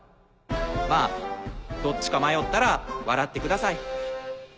まぁどっちか迷ったら笑ってください。